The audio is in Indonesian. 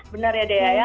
benar ya dea ya